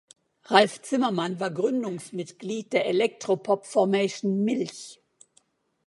Ralf Zimmermann war Gründungsmitglied der Elektro-Pop-Formation Milch.